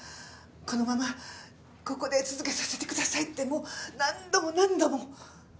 「このままここで続けさせてください」ってもう何度も何度も。